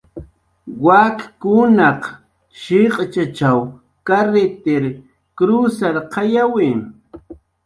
Wakkunaq shiq'shichw karritir krusarqayawi